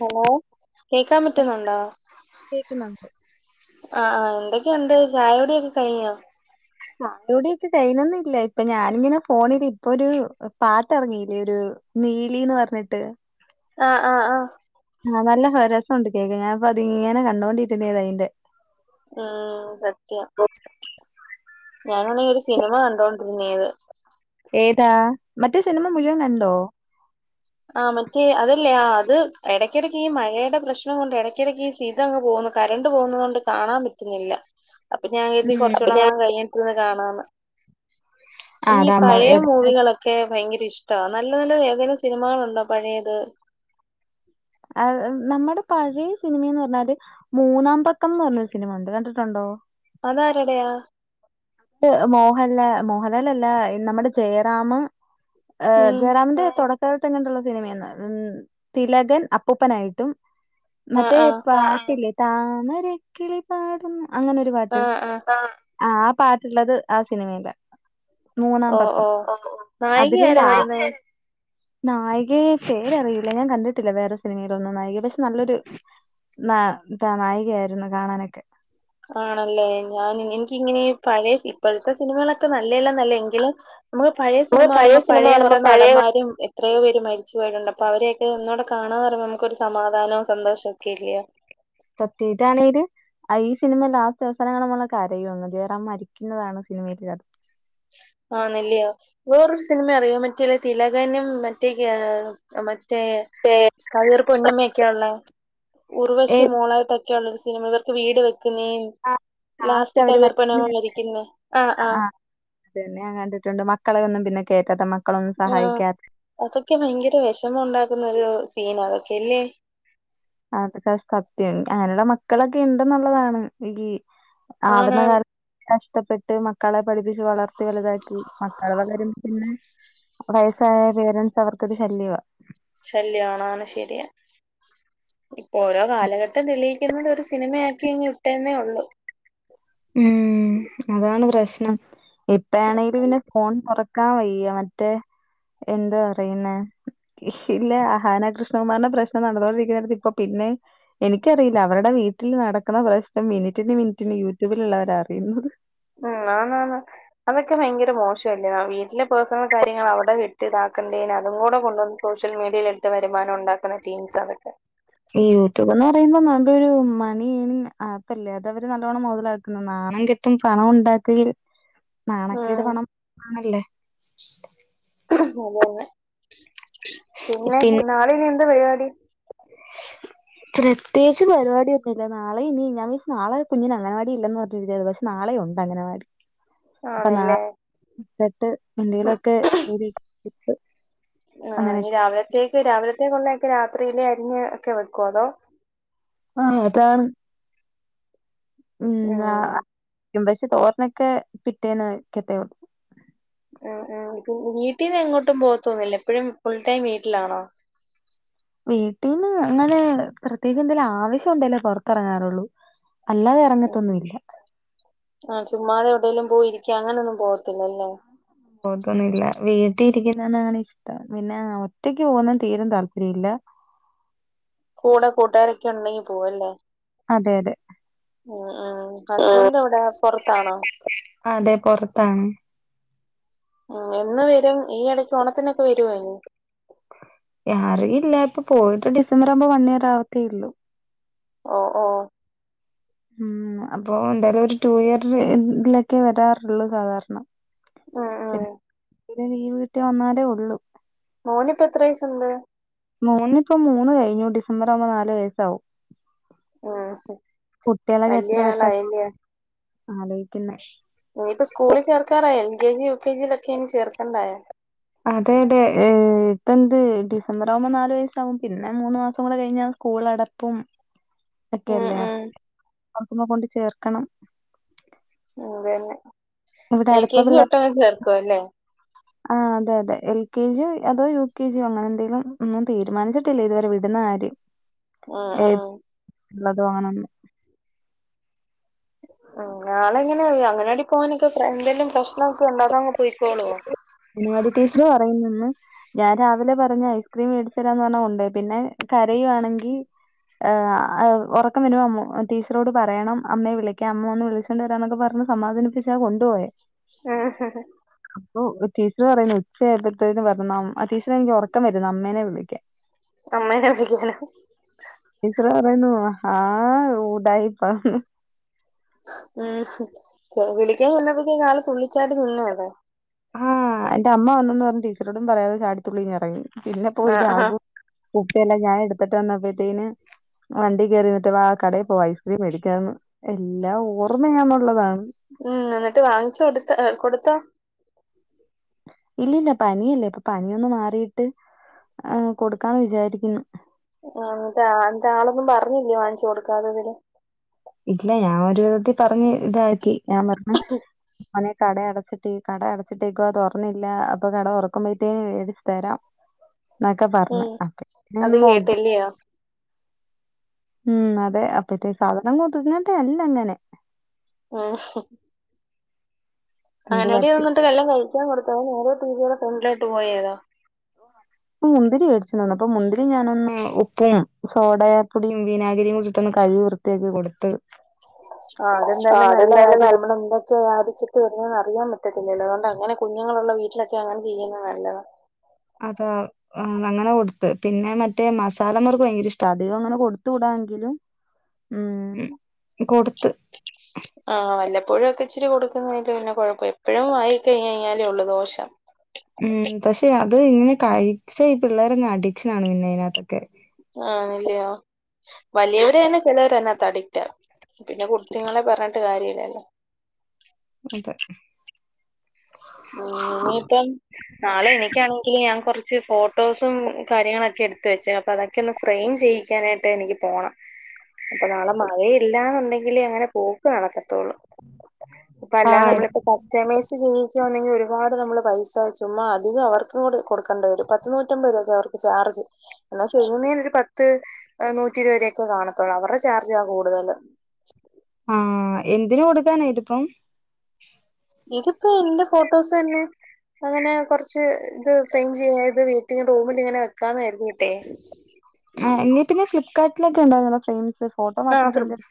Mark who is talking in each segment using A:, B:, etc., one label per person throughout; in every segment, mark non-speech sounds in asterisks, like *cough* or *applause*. A: Hello കേക്കാൻ പറ്റുന്നുണ്ടോ
B: കേക്കുന്നുണ്ട്
A: ആഹ് ആഹ് എന്തൊക്കെയുണ്ട് ചായകുടിയൊക്കെ കഴിഞ്ഞോ
B: ചായുടി ഒകെ കഴിഞ്ഞൊന്നും ഇല്ല. ഇപ്പൊ ഞാനിങ്ങനെ ഫോണില് ഇപ്പൊ ഒരു പാട്ട് ഇറങ്ങിയില്ലേ ഒരു. നീലിന്ന് പറഞ്ഞിട്ട്
A: ആഹ് ആഹ് ആഹ്
B: ആഹ് നല്ല ഹ രസോണ്ട് കേക്ക ഞാനിപ്പൊ അതിങ്ങനെ കണ്ടോണ്ടിരുന്നേത് അതിന്റെ
A: ഉം സത്യം ഞാനാണെങ്ക ഒരു സിനിമ കണ്ടോണ്ടിരുന്നേത്
B: ഏതാ മറ്റേ സിനിമ മുഴുവൻ കണ്ടോ
A: ആഹ് മറ്റേ അതല്ലേ ആഹ് അത് എടക്കടക്ക് ഈ മഴയുടെ പ്രശ്നം കൊണ്ട് എടക്കിടയ്ക്ക് സി ഇതങ്ങ് പോകുന്നു കറണ്ട് പോകുന്നത് കൊണ്ട് കാണാൻ പറ്റുന്നില്ല അപ്പൊ ഞാൻ കര്തി കോറചൂടെ
B: ഉം
A: എങ്ങാണം കയ്യെട്ട് ഇരുന്ന് കാണാന്ന് എനിക്ക് ഈ
B: അതാ
A: പഴയ മൂവികളൊക് ക്കെ ഭയങ്കര ഇഷ്ട നല്ല നല്ല ഏതെലും സിനിമകളുണ്ടോ പഴയത്
B: ആഹ് ആഹ് നമ്മടെ പഴയ സിനിമേന്ന് പറഞ്ഞാല് മൂന്നാംമ്പക്കം ന്ന് പറഞ്ഞൊരു സിനിമണ്ട് കണ്ടിട്ടുണ്ടോ
A: അതാരുടയാ
B: മോഹലാ മോഹലാലല്ല നമ്മടെ ജയറാമ് എഹ്
A: ഉം
B: ജയറാമിന്റെ തോടക്കാലത്തെങ്ങട്ടുള്ള സിനിമയന്ന് ഉം തിലകൻ അപ്പൂപ്പനായിട്ടും
A: ആഹ്
B: മറ്റേ
A: ആഹ്
B: പാട്ടില്ലേ താമരക്കിളി പാടും അങ്ങനെരു പാട്ട് ആഹ് ആഹ് ആ പാട്ടുള്ളത് ആഹ് സിനിമീലാ
A: ഓ
B: മൂന്നാംമ്പക്കം
A: ഓ
B: ഓഹ്
A: നായിക
B: അതില്
A: ആരാ
B: ലാ
A: വരുന്നേ
B: നായികയെ പേരറിയൂല ഞാൻ കണ്ടിട്ടില്ല വേറെ സിനിമയിലൊന്നും നായിക പക്ഷെ നല്ലൊരു ന താ നായികയായിരുന്നു കാണാനൊക്കെ
A: ആണല്ലേ ഞാൻ ഇങ്ങ് എനിക്കിങ്ങനെ പഴെയ സി ഇപ്പോഴത്തെ സിനിമകളൊക്കെ നല്ലെല്ല എന്നല്ല എങ്കിലും മള് പഴെ സിനിമ കാണുമ്പോൾ പഴെ കോറെ നടന്മാരും എത്രയൊ പേര് മരിച്ച് പോയിട്ടിണ്ട് അപ്പോ അവരൊക്കെന്നൂടെ കാണാന്നറീമ്പോ നമക്കൊരു സമാധാനോ സന്തോഷോക്കെ അല്ല്യോ
B: സത്യ ഇതണെര് അതു ഈ സിനിമ ലാസ്റ്റ് അവസാനം കാണുമ്പോൾ നമ്മൾ കരയും ജയറാം മരിക്കുന്നതാണ് സിനിമയിയില് ക
A: ആന്നെല്ലിയോ വേറൊരു സിനിമ അറിയോ മറ്റിലെ തിലകനും മറ്റേ ക മറ്റേ കവിയൂർ പൊന്നമ്മയൊക്കെള്ളെ
B: ഏ
A: ഉർവശി മോളായിട്ട് അ ഒക്കെയള്ള ഒരു സിനിമ ഇവർക്ക് വീട് വെക്കുന്നേം ലാസ്റ്റ്
B: അവര്
A: കവിയർപൊന്നമ്മ
B: മരിക്കുന്ന
A: മരിക്കുന്നെ ആഹ് ആഹ്
B: പിന്നെ ഞാൻ കണ്ടിട്ടുണ്ട് മക്കളെന്നും പിന്നെ കേകാത്ത മ
A: ആഹ് അതൊക്കെ ഭയങ്കര വെഷമം ഉണ്ടാക്കുന്നൊരു സീനാ അതൊക്കെല്ലേ
B: അതൊക്കെ സത്യം അങ്ങനെയുള്ള മക്കളൊക്കെ ഇണ്ടെന്നുള്ളതാണ് വിഗി
A: ആണ്
B: അവുന്ന കാലത്ത് കഷ്ട്ടപ്പെട് ട്ട് മക്കളെ പഠിപ്പിച്ച് വളർത്തി വലുതാക്കി മക്കള് വളരുമ്പോ പിന്നെ വയസ്സായ പേരൻസ് അവർക്കത് ശല്യവാ
A: ശല്യാണ് ആണ് ശെരിയാ. ഇപ്പോരോ കാലഘട്ടം തെളിയിക്കുന്നത് ഒരു സിനിമയാക്കിയങ്ങ് വിട്ടേന്നേയുള്ളൂ.
B: ഉം അതാണ് പ്രശ്നം. ഇപ്പയാണേല് പിന്നെ ഫോൺ കൊറ ക്കാൻ വയ്യ മറ്റേ എന്താ പറയുന്നെ ഇല്ല അഹാന കൃഷ്ണകുമാറിന്റെ പ്രശ്നം നടന്നുകൊണ്ടിരിക്കുന്നെടത്ത് ഇപ്പൊ പിന്നെം എനിക്കറിയില്ല അവരുടെ വീട്ടിൽ നടക്കുന്ന പ്രശ്നം മിനിറ്റിന് മിനിറ്റിന് യൂട്യൂബിലുള്ളവരറിയുന്നത്
A: ഉം ആന്നാന്ന് അതൊക്കെ ഭയങ്കര മോശല്ലേ വീട്ടിലെ പേഴ്ണൽ കാര്യങ്ങൾ അവിടെ വിട്ടിതാക്കണ്ടേന് അതും കൂടെ കൊണ്ട്ന്ന് സോഷ്യൽ മീഡിയയിലിട്ട് വരുമാനുണ്ടാക്കണെ. തിങ്സതൊക്കെ.
B: ഈ യൂട്യൂബെന്ന് പറയുമ്പോ നല്ലൊരു മണി ഏണിങ്ങ് ആപ്പല്ലേ അതവര് നല്ലോണം മൊതലാക്കുന്നു നാണംകെ ത്തും പണം ഉണ്ടാക്കിൽ
A: *inaudible*
B: നാണക്കേട് പണം ആണല്ല്
A: അതന്നെ. പിന്നെ നാളെയിനിയെന്താ പരിപാടി?
B: പ്രത്യേകിച്ച് പരിപാടിയൊന്നുല്ല നാളെ ഇനി ഞാ വിചാരിച്ച് നളെ കുഞ്ഞിനങ്ങനവാടിയില്ലെന്ന് പറഞ്ഞിരുന്നയാരുന്ന് പക്ഷെ നാളെയുണ്ടങ്കനവാടി. അപ്പൊ
A: ആണല്ലേ
B: നാളെത്തൊട്ട് എന്തെങ്കിലു ഒക്കെ കൂടി
A: ആ
B: അങ്ങനെ
A: ഇനി രാവിലത്തേക്ക് രാവിലത്തേക്കുള്ളയൊക്കെ രാത്രിയിലെ അരിഞ്ഞ് ഒക്കെ വെക്കുവോ അതോ?
B: ആഹ് അതാണ്. ഉം ആഹ് പക്ഷെ തോരനൊക്കെ പിറ്റേന്നേ വെക്കത്തേ ഉള്ളൂ
A: ആഹ് ആഹ് എനിക്ക് വീട്ടീന്നെങ്ങോട്ടും പോകത്തൊന്നുന്നില്ലേ എപ്പോഴും ഫുൾ ടൈം വീട്ടിലാണോ
B: വീട്ടീന്ന് അങ്ങനെ പ്രത്യേകെന്തേലാവശ്യുണ്ടെലേ പൊറത്തെറങ്ങാറുള്ളൂ. അല്ലാതെറങ്ങത്തൊന്നും ഇല്ല
A: ആഹ് ചുമ്മാതെവിടെലും പോയിരിക്ക അങ്ങനൊന്നും പോവത്തില്ലല്ലേ
B: പോവത്തൊന്നുല്ല വീട്ടി ഇരിക്കുന്നതെന്നാണിഷ്ടം, പിന്നെ ഒറ്റക്ക് പോകുന്നെ തീരയും താല്പര്യില്ല.
A: കൂടെ കൂട്ടുകാരൊക്കെയുണ്ടെങ്കി പോവു അല്ലേ.
B: അതെ അതെ.
A: ഉം ഉം ഹസ്ബന്റെവിടാ പൊറത്താണോ?
B: അതെ പൊറത്താണ്.
A: ഉം എന്ന് വരും? ഈയെടക്ക് ഓണത്തിനൊക്കെ വരുവോ ഇനി?
B: അറിയില്ല ഇപ്പൊ പോയിട്ട് ഡിസംബർ ആവുമ്പോ വൺഇയർ ആവത്തേയുള്ളൂ.
A: ഓ ഓ
B: ഉം അപ്പൊ ന്തായാലും ഒരു ടൂ ഇയർ ലൊക്കെയേ വരാറുള്ളൂ സാധാരണ.
A: ഉം ഉം
B: പിന്നെ ലീവ് കിട്ടി വന്നാലേ ഉള്ളു
A: മോനിപ്പെത്ര വയസുണ്ട്?
B: മോനിപ്പൊ മൂന്ന് കയിഞ്ഞു ഡിസംബറാവുമ്പൊ നാല് വയസ്സാവും.
A: ഉം
B: കുട്ടികളൊക്കെത്ര
A: വല്യ
B: പെട്ടെന്നാ
A: ആളായല്ലേ
B: *inaudible* ആലോയിക്കുന്നെ
A: ഇനിപ്പൊ സ്കൂളിൽ ചേർക്കാറായി L K G U K ജിയിലൊക്കിനി ചേർക്കണ്ടായോ
B: അതെ അതെ ഇപ്പെന്ത് ഡിസംബറാവുമ്പൊ നാല് വയസാവും പിന്നെ മൂന്ന് മാസം കൂടെ കയിഞ്ഞാ കൂളടപ്പും
A: *inaudible*
B: ഒക്കെയല്ലേ
A: ഉം
B: തുറക്കുമ്പോൾ കൊണ്ട് ചേർക്കണം
A: അതന്നെ എൽ
B: ഇവിടടുത്ത
A: കെ ജി
B: പിള്ളേ *inaudible*
A: തൊട്ടങ്ങ് ചേർക്കും അല്ലേ
B: ആഹ് അതെയതെ എൽ കെ ജിയോ അതോ യു കെ ജിയോ അങ്ങനെന്തേലും ഒന്നും തീരുമാനിച്ചിട്ടില്ല ഇതുവരെ വിടുന്നകാര്യം.
A: ആഹ് ആഹ്
B: നല്ലത് *unintelligible*
A: ഉം ആളെങ്ങനെയാ ഈ അങ്കനവാടി പോകാനൊക്കെ എന്തെലും പ്രശ്നൊക്കെ ഉണ്ടാക്കോ അങ്ങ് പോയിക്കോളോ?
B: അങ്ങനവാടി ടീച്ചർ പറയുന്നെന്ന് ഞാൻ രാവിലെ പറഞ്ഞ ഐസ്ക്രീം മേടിച്ചരാന്ന് പറഞ്ഞാ കൊണ്ട്പോയി പിന്നെ കരയുവാണെങ്കി ആഹ് ആഹ് ഒറക്കം വരുമ്പോ അമ്മ ടീച്ചറോട് പറയണം അമ്മയെ വിളിക്കാൻ അമ്മൊന്ന് വിളിച്ച വരാന്നൊക്കെ പറഞ് സമാധാനിപ്പിച്ചാ കൊണ്ട് പോയെ.
A: ആഹ്
B: അപ്പൊ ടീച്ചറ് പറയുന്നു ഉച്ചാ യപ്പൊത്തേക്ക് പറഞ്ഞ് ആ ടീച്ചറെ എനിക്ക് ഉറക്കം വരുന്നു അമ്മേനെ വിളിക്കാൻ.
A: അമ്മേനെ ഹ് വിളിക്കാനോ.
B: ടീച്ചറ് പറയ്ന്ന് മഹാ ഊടായിപ്പാന്ന്.
A: ഉം ഹ് വിളിക്കാ ചെന്നപ്പത്തേന് ആള് തുള്ളിച്ചാടി നിന്നേതാ.
B: ആഹ് എന്റെ അമ്മ വന്നന്ന് പറഞ്ഞ് ടീച്ചറോടും പറയാതെ ചാടിത്തുള്ളി ഇങ്ങ് എറങ്ങി പിന്നെ പോയി
A: ആഹ് ആഹ്
B: ബാഗ്. കുപ്പയെല്ലാം ഞാൻ എടുത്തിട്ട് വന്നപ്പോഴത്തേന് വണ്ടി കയറിയിട്ട് വാ കടയിൽ പോവാ ഐസ്ക്രീംമേടിക്കാന്ന് എല്ലാം ഓർമ്മയാന്നുള്ളതാണ്.
A: ഉം എന്നിട്ട് വാങ്ങിച്ച് കൊടുത്ത കൊടുത്താ.
B: ഇല്ലല്ല പനിയല്ലെ പ്പൊ പനിയൊന്ന് മാറീട്ട് ആഹ് കൊടുക്കാന്ന് വിചാരിക്കുന്നു.
A: ആഹ് എന്നിട്ട് ന്ന്ട്ട് ആളൊന്നും പറഞ്ഞില്ലേ വാങ്ങിച്ചു കൊടുക്കാത്തതില്.
B: ഇല്ല ഞാൻ ഒരു വിധത്തിൽ പറഞ്ഞ് ഇതാക്കി ഞാൻ പറഞ്ഞ് മോനെ കട അടച്ചിട്ട് ട്ടീ കട അടച്ചിട്ടേക്കുവാ തൊറന്നില്ല അപ്പൊ കട തുറക്കുമ്പഴ്ത്തേന് വെടിച്ച് തരാം. ന്നൊക്കെ പറഞ്ഞ് അപ്പഴ്തേന് നോക്കി
A: യോ.
B: ഉം അതെ അപ്പത്തെ സാധനം ഒതുങ്ങേണ്ടല്ലങ്ങനെ.
A: ഉഹും.
B: എന്ത്
A: അവനോട് ഞാന്
B: പറ്റി
A: എന്നിട്ട് വല്ലോം കഴിക്കാൻ കൊടുത്തോ നേരെ ടിവീടെ ഫ്രണ്ടിലോട്ട് പോയതാ.
B: ഉം മുന്തിരി വേടിച്ചണ്ട് വന്ന് പ്പൊ മുന്തിരി ഞാനൊന്ന് ഉപ്പും, സോഡപ്പൊടിയും, വിനാഗിരിയും കൂടിട്ടൊന്ന് കഴുകി വൃത്തി ത്തേക്ക് കൊടുത്ത്
A: ആഹ് അതെന്തായാലും നല്ല കാര്യം നമ്മളെന്തൊക്കെ. ക്കെ അടിച്ചിട്ട് വര്ന്നേന്നറിയാൻ പറ്റത്തില്ലല്ലോ അതൊണ്ട് അങ്ങനെ കുഞ്ഞുങ്ങളുള്ള വീട്ടിലൊക്കെ അങ്ങനെ ചെയ്യുന്നെ നല്ലതാ.
B: അതാഹ്. ഉം അങ്ങനെ കൊടുത്ത് പിന്നെ മറ്റേ മസാലമർക് ഭയങ്കര ഇഷ്ടാ അധികങ്ങനെ കൊടുത്തുകൂടാ എങ്കിലും. ഉം കൊടുത്ത്.
A: ആഹ് വല്ലപ്പഴൊക്കെ ഇച്ചിരി കൊടുക്കുന്നതില് പിന്നെ കൊഴപ്പം എപ്പഴും വായി കഴിഞ് കഴിഞ്ഞാലേ ഒള്ളൂ ദോഷം.
B: ഉം പക്ഷെ അത് ഇങ്ങനെ കഴിച്ച ഈ പിള്ളേരങ്ങ് അഡിക്ഷൻ ആണ് പിന്നെ യിനകത്തൊക്കെ.
A: ആന്നല്യോ വലിയവരന്നെ ചിലവര് അതിനാത്ത് അഡിക്റ്റാ. പിന്നെ കുട്ടികളെ പറഞ്ഞിട്ട് കാര്യമില്ലല്ലോ.
B: അതെ.
A: ഓ ഇനീപ്പം. നാളെ എനിക്കാണെങ്കില് ഞാൻ കൊറച്ച് ഫോട്ടോസും കാര്യങ്ങളൊക്കെ എടുത്ത് വെച്ച് അപ്പൊ അതൊക് ക്കെന്ന് ഫ്രെയിം ചെയ്യിക്കാനായിട്ട് എനിക്ക് പോണം. അപ്പൊ നാളെ മഴയില്ലന്നുണ്ടെങ്കിലേ അങ്ങനെ പോക്ക് നടക്കത്തൊള്ളൂ. പ്പ അല്ലാ
B: ആഹ്
A: നമ്മളിപ്പ കസ്റ്റമൈസ് ചെയ്യി ച്ച് വാന്നെങ്കി ഒരുപാട് നമ്മള് പൈസ ചുമ്മാ അധികം അവർക്കും കൂടി കൊടുക്കണ്ടി വരും പത്ത് നൂറ്റമ്പത് രൂപക്കെ അവർക്ക് ചാർജ്. എന്നാ ചെയ്യുന്നേന് ഒരു പത്ത് നൂറ്റി ഇരുവരൂവൊക്കെ കാണത്തൊള്ളൂ അവരുടെ ചാർജാ കൂടുതല്.
B: ആഹ് എന്തിന് കൊടുക്കാന ഇതിപ്പം.
A: ഇതിപ്പോ എന്റെ ഫോട്ടോസ് തന്നെ. അങ്ങനെ കൊറച്ച് ത് ഫ്രെയിം ചെയ്ത് വീട്ടി റൂമിലിങ്ങനെ വെക്കാന്ന് കരുതീട്ടെ.
B: ആഹ് എങ്കിപിന്നെ ഫ്ലിപ്കാട്ടിലൊക്കെ ഉണ്ടാവോലോ ഫ്രയിം.
A: ആഹ് ശ്രമിച്ച്.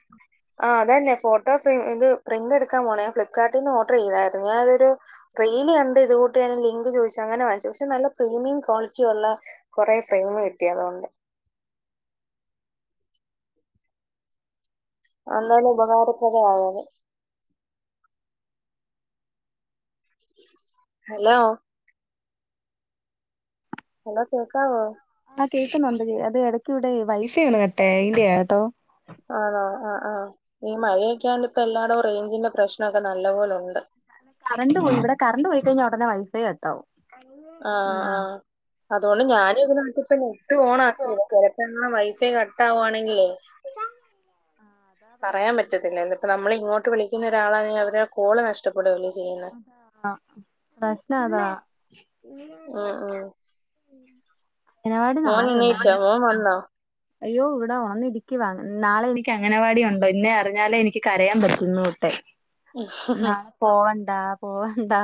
A: ആ അതെന്നെ ഫോട്ടോ ഫ്രെയിം ഇത് പ്രിന്റ് എടുക്കാൻ പോണെ ഞാൻ ഫ്ലിപ്കാർട്ടീന്ന് ഓഡർ ചെയ്തായിരുന്നു ഞാനതൊരു. റീല് കണ്ട് ഇത് കൂട്ട് ഞാൻ ലിങ്ക് ചോദിച്ച് അങ്ങനെ വാങ്ങിച്ചു പക്ഷെ നല്ല പ്രീമിം ക്വാളിറ്റി ഒള്ള കൊറേ ഫ്രെയിം കിട്ടി അതുകൊണ്ട്. വളരെ ഉപകാരപ്രദം ആയത്. ഹലോ? ഹലോ കേക്കാവോ?
B: ആ കേൾക്കുന്നുണ്ടടി അത് എട്ക്കിവിടെയ് വൈഫൈ ഒന്ന് കട്ടായി അയിന്റെയാ കേട്ടോ.
A: ആണോ ആ ആ ഈ മഴയൊക്കൊണ്ട് ഇപ്പ എല്ലാടോ റേഞ്ചിന്റെ പ്രശ്നമൊക്കെ നല്ല പോലൊണ്ട്.
B: കറണ്ട് പോയി ഇവടെ കറണ്ട് പോയി കയിഞ്ഞാ ഉടനെ വൈഫൈ കട്ടാവും.
A: ആഹ്
B: ഉം ആ,
A: ആഹ് അതൊണ്ട് ഞാനുഇതിനെ ഇപ്പൊ നെറ്റ് ഓൺ ആക്കീനു ചെലപ്പോ ങ്ങളെ വൈഫൈ കട്ട് ആവാണെങ്കിലൈ
B: അതാ
A: പറയാൻ
B: പ്രശ്നം
A: പറ്റത്തില്ല നമ്മള്ഇങ്ങോട്ട് വിളിക്കുന്ന ഒരാളാണെ അവരുടെ കോള് നഷ്ടപ്പെടൂല്ലേ ചെയ്യുന്ന
B: ആഹ് പ്രശ്നതാ
A: ഉം ഉം
B: *unintelligible* ഇങ്ങളെ ടെനാളെയുണ്ടോ
A: ഓൻവന്നോ?
B: അയ്യോ ഇവിടെ ഉണന്നിരിക്കവാ നാളെ എനിക്ക് അങ്ങനവാടി ഉണ്ടോ ഇന്ന് അറിഞ്ഞാലേ എനിക്ക് കരയാൻ പറ്റുന്നു കട്ടെ നാളെ പോവണ്ടാ പോവണ്ടാ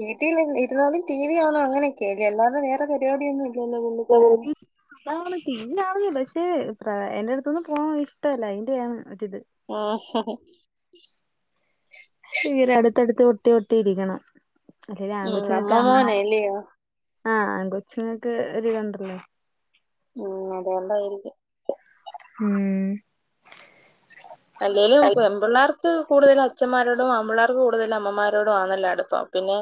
A: വീട്ടിൽ ഇരുന്നാലും ടി വി കാണും അങ്ങനൊക്കെല്ല അല്ലാതെവേറെ പരിപാടിയൊന്നും ഇ
B: *unintelligible* നമ്മൾ തിന്നാപക്ഷെ എന്റ അടുത്തൊന്നും പോവാൻ ഇഷ്ടമല്ല അതിന്റെ യാണ് ഒര്ഇത്
A: ആഹ് ഹ്
B: തീരെ അടുത്ത്ടുത്ത് ഒട്ടി ഒട്ടി ഇരിക്കണം അല്ലങ്കിൽ
A: ഉം
B: ആൺകൊച്ചിനെ
A: നമ്മ
B: അമ്മ
A: മോനെ അല്ലയോ
B: ആഹ് ആൻകൊച്ചുങ്ങക്ക് ഒരു കണ്ടർല്ലോ
A: ഉം അതോണ്ടായിരിക്കും.
B: ഉം
A: അല്ലേലും പെൺപിള്ളേർ ഇക്ക്കൂടുതലും അഛൻന്മാരോടുംആൺപിള്ളേർക്ക്കൂടുതല അമ്മമാരോടും ആന്നല്ലോ അടുപ്പം പിന്നെ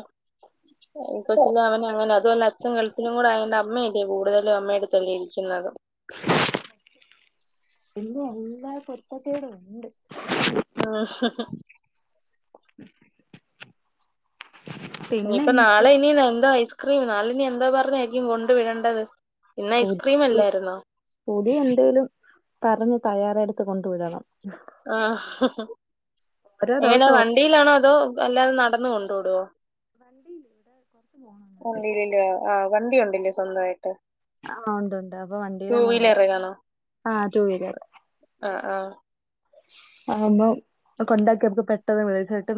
A: എനിക്കൊച്ചിന്റ അവന്റ *unintelligible* അതൊല്ലാ അച്ഛൻ ഗൾഫിലും കൂടെ ആയോണ്ട് അമ്മയും കൂടുതലും അമ്മയു ടെ അടുത്തല്ലിരിക്കുന്നുന്നത്
B: പിന്നെ എല്ലാ കുരുത്ത കേട്ണ്ട്
A: ഉം *unintelligible*
B: പിന്നെ
A: ഇനിപ്പ
B: എനിക്ക്
A: നാളെ ഇനി എന്താ ഐസ്ക്രീം നാളെ ഇനി എന്താ പറഞ്ഞായിരിക്കും കൊണ്ട് വിടേണ്ടത് ഇന്ന് ഐസ്ക്രീം അല്ലായിരുന്നോ
B: പൊടി ഉണ്ടോലും തറയെന്ന് തയ്യറെടുത്ത് കൊണ്ട് വിടണം
A: ആ
B: ഓരോ
A: ഹ്ഹ്എങ്ങനെ
B: ദിവസവും
A: വണ്ടിയിലാണോ അല്ലാതെ നടന്ന് കൊണ്ടുടോ?
B: വണ്ടിയില് ഇവിടെ കൊറച്ച് പോണം
A: ഉണ്ടില് ല്ലെ ആ വണ്ടി ഉണ്ട്ല്ലേ സ്വന്തമായിട്ട്
B: ആഹ് ഉണ്ട്ണ്ട് അപ്പൊ
A: ടൂ
B: വണ്ടിയില് കൊണ്ടാക്കും
A: വീലറിലാണോ
B: ആ ടുവീലർ
A: ആഹ് ആഹ്
B: ആവുമ്പോ കൊണ്ടാക്കി നമുക്ക് പെട്ടെന്ന്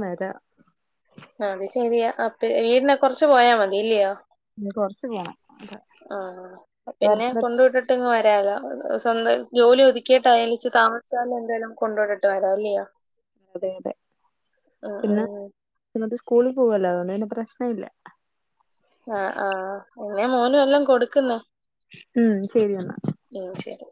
B: *unintelligible* വരാ
A: അത് ശരിയാ അപ്പ വീടിനെ കുറച്ച് പോയാ മതി ഇല്ല്യയോ?
B: ഇനി കൊറച്ച് പോണം
A: ആ പിന്നെ കൊണ്ട് വിട് പൊട്ടന്ന്‌വരല്ലോ സ്വന്തം ജോലി ഒതുക്കിയിട്ട് അയലിച്ച് താമസിച്ചാല എന്തായാലും കൊണ്ടോട്ടിട്ട് വരാംല്ലയോ
B: അതെ അതെ പിന്നെ
A: ഉം
B: ഇനത്തെസ്കൂളിൽ പോവല്ലോ അതൊണ്ട് പിന്നെ പ്രശ്നയില്ല.
A: ആ ആപിന്നെ മോനും എല്ലാം കൊടുക്കുന്ന്
B: ം ശരി എന്നാ.
A: ഉം ശരി